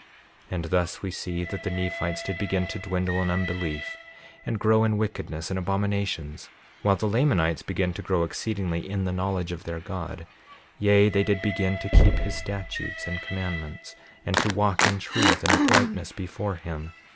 6:34 And thus we see that the Nephites did begin to dwindle in unbelief, and grow in wickedness and abominations, while the Lamanites began to grow exceedingly in the knowledge of their God; yea, they did begin to keep his statutes and commandments, and to walk in truth and uprightness before him.